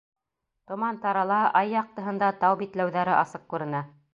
Томан тарала, ай яҡтыһында тау битләүҙәре асыҡ күренә.